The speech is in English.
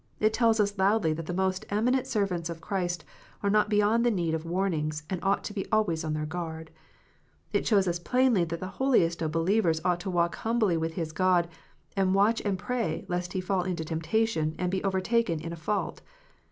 It tells us loudly that the most eminent servants of Christ are not beyond the need of warnings, and ought to be always on their guard. It shows us plainly that the holiest of believers ought to Avalk humbly with his God, and to watch and pray, lest he fall into temptation, and be overtaken in a fault.